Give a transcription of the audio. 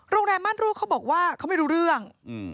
โรงแรมม่านรูกเขาบอกว่าเขาไม่รู้เรื่อง